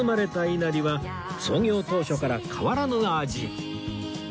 いなりは創業当初から変わらぬ味